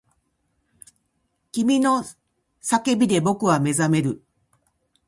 君の叫びで僕は目覚める